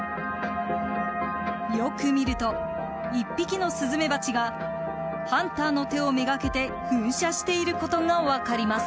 よく見ると一匹のスズメバチがハンターの手を目がけて噴射していることが分かります。